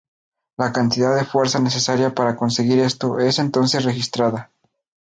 La cantidad de fuerza necesaria para conseguir esto es entonces registrada.